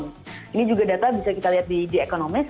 ini juga data bisa kita lihat di the economist